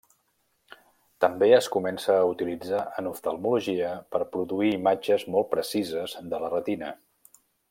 També es comença a utilitzar en oftalmologia per produir imatges molt precises de la retina.